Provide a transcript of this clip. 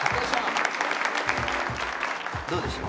どうでした？